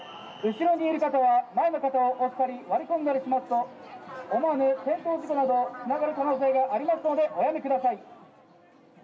後ろにいる方は前の方を押したり、割り込んだりしますと、思わぬ転倒事故など、つながる可能性がありますので、おやめください。